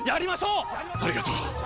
ありがとう！